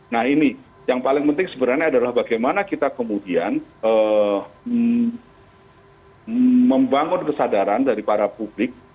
nah ini yang paling penting sebenarnya adalah bagaimana kita kemudian membangun kesadaran dari para publik